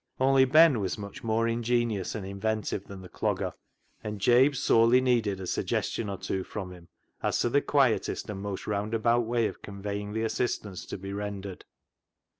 Only Ben was much more ingenious and inventive than the Clogger, and Jabe sorely needed a suggestion or two from him as to the quietest and most roundabout way of conveying the assistance to be rendered.